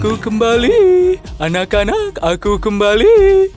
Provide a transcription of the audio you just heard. aku kembali anak anak aku kembali